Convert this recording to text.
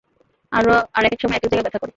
আর একেক সময় একেক জায়গায় ব্যথা করে।